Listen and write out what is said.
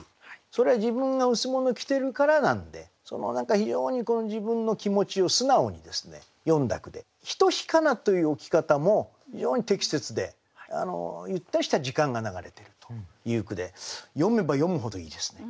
それは自分が羅を着てるからなんでその非常に自分の気持ちを素直に詠んだ句で「一日かな」という置き方も非常に適切でゆったりした時間が流れてるという句で読めば読むほどいいですね。